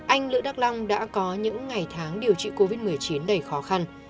anh lữ đắc long đã có những ngày tháng điều trị covid một mươi chín đầy khó khăn